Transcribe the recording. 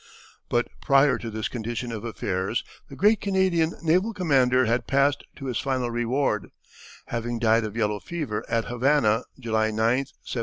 But prior to this condition of affairs the great Canadian naval commander had passed to his final reward, having died of yellow fever at Havana, July 9, 1706.